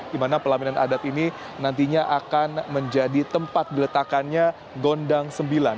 dimana pelaminan adat ini nantinya akan menjadi tempat diletakannya gondang sembilan